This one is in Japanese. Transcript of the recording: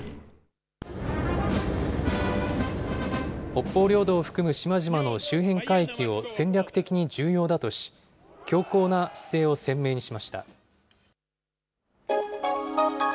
北方領土を含む島々の周辺海域を戦略的に重要だとし、強硬な姿勢を鮮明にしました。